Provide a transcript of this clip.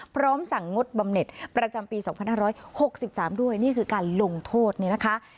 พร้อมสั่งงดบำเน็ตประจำปี๒๕๖๓ด้วยนี่คือการลงโทษนี่นะคะ